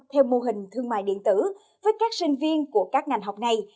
theo mô hình thương mại điện tử với các sinh viên của các ngành học này